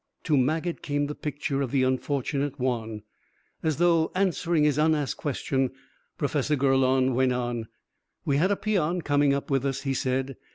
To Maget came the picture of the unfortunate Juan. As though answering his unasked question, Professor Gurlone went on. "We had a peon coming up with us," he said.